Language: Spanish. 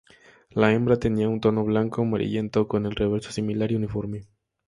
La hembra tiene un tono blanco-amarillento, con el reverso similar y uniforme.